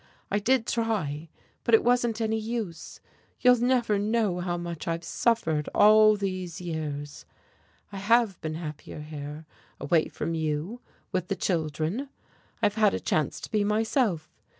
I did try, but it wasn't any use. You'll never know how much I've suffered all these years. "I have been happier here, away from you, with the children; I've had a chance to be myself.